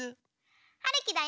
はるきだよ。